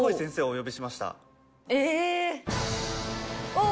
お！